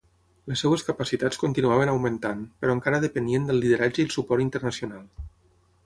Les seves capacitats continuaven augmentant, però encara depenien del lideratge i el suport internacional.